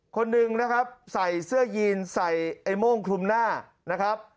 คนหนึ่งนะครับใส่เสื้อยีนใส่ไอ้โม่งคลุมหน้านะครับ